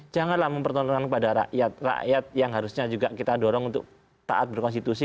janganlah mempertontonkan kepada rakyat rakyat yang harusnya juga kita dorong untuk taat berkonstitusi